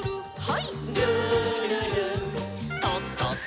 はい。